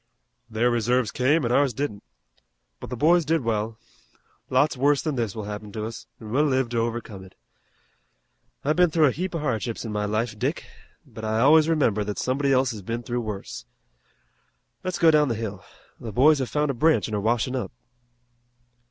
"Their reserves came an' ours didn't. But the boys did well. Lots worse than this will happen to us, an' we'll live to overcome it. I've been through a heap of hardships in my life, Dick, but I always remember that somebody else has been through worse. Let's go down the hill. The boys have found a branch an' are washin' up."